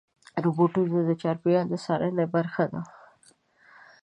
روبوټونه د چاپېریال د څارنې برخه دي.